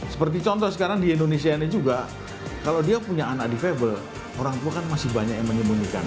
seperti contoh sekarang di indonesia ini juga kalau dia punya anak difabel orang tua kan masih banyak yang menyembunyikan